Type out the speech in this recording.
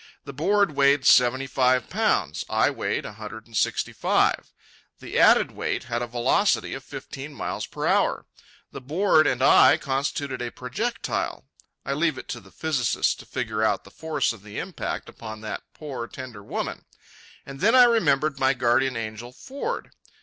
The board weighed seventy five pounds, I weighed a hundred and sixty five. The added weight had a velocity of fifteen miles per hour. The board and I constituted a projectile. I leave it to the physicists to figure out the force of the impact upon that poor, tender woman. And then I remembered my guardian angel, Ford.